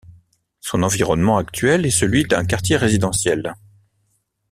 Son environnement actuel est celui d'un quartier résidentiel.